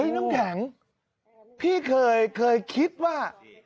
น้ำแข็งพี่เคยคิดว่า